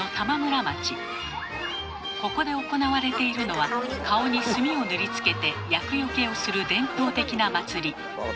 ここで行われているのは顔に炭を塗りつけて厄よけをする伝統的な祭り。笑てますよ